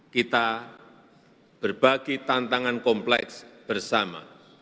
kita berbagi tantangan kompleks bersama